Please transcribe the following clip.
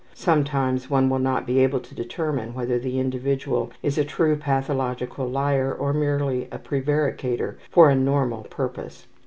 Sometimes one will not be able to determine whether the individual is a true pathological liar or merely a prevaricator for a normal purpose.